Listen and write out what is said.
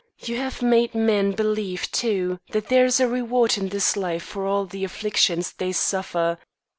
You have made men believe, too, that there is a reward in this life for all the afflictions they suffer.